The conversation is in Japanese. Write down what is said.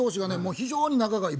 非常に仲がいい。